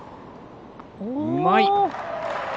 うまい。